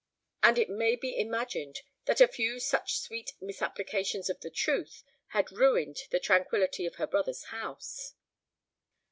And it may be imagined that a few such sweet misapplications of the truth had ruined the tranquillity of her brother's house.